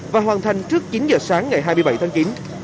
và hoàn thành trước chín giờ sáng ngày hai mươi bảy tháng chín